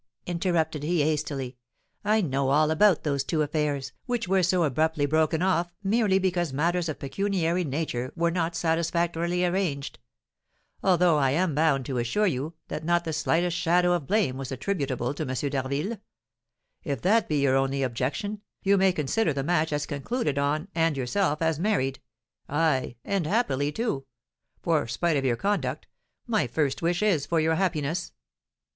interrupted he, hastily. 'I know all about those two affairs, which were so abruptly broken off merely because matters of a pecuniary nature were not satisfactorily arranged; although, I am bound to assure you, that not the slightest shadow of blame was attributable to M. d'Harville. If that be your only objection, you may consider the match as concluded on, and yourself as married, ay, and happily, too, for, spite of your conduct, my first wish is for your happiness.'"